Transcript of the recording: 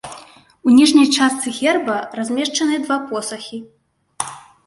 У ніжняй частцы герба размешчаны два посахі.